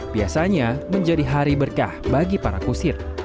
biasanya menjadi hari berkah bagi para kusir